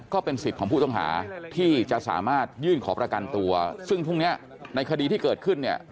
ก็เป็นสิทธิ์ของผู้ต้องหาที่จะสามารถยื่นขอประกันตัวซึ่งพรุ่งเนี้ยในคดีที่เกิดขึ้นเนี่ย